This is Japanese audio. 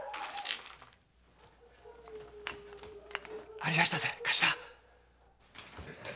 ありやしたぜ頭。